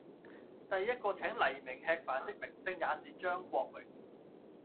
第一個請黎明吃飯的明星也是張國榮。